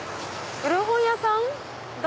古本屋さんだ